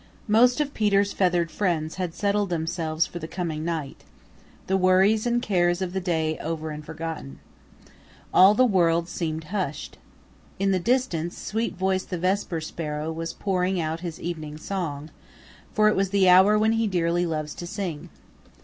Most of Peter's feathered friends had settled themselves for the coming night, the worries and cares of the day over and forgotten. All the Great World seemed hushed. In the distance Sweetvoice the Vesper Sparrow was pouring out his evening song, for it was the hour when he dearly loves to sing.